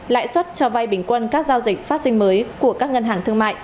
lãi suất cho vay bình quân các giao dịch phát sinh mới của các ngân hàng thương mại